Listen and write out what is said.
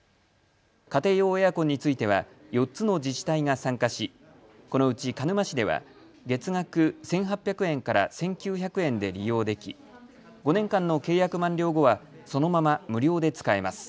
家庭用エアコンについては４つの自治体が参加しこのうち鹿沼市では月額１８００円から１９００円で利用でき５年間の契約満了後はそのまま無料で使えます。